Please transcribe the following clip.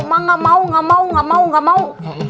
mak nggak mau nggak mau nggak mau nggak mau